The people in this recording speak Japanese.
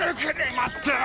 待ってろ！